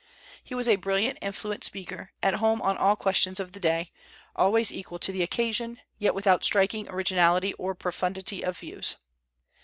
He was a brilliant and fluent speaker, at home on all questions of the day, always equal to the occasion, yet without striking originality or profundity of views.